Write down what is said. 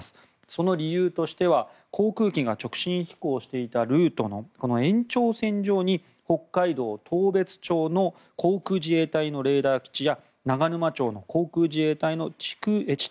その理由としては航空機が直進飛行していたルートの延長線上に北海道当別町の航空自衛隊のレーダー基地や長沼町の航空自衛隊の地